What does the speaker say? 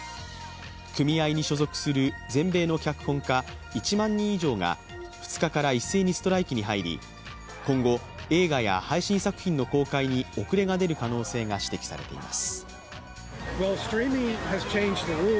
組合に所属する全米の脚本家１万人以上が、２日から一斉にストライキに入り、今後、映画や配信作品の公開に遅れが出る可能性が指摘されています。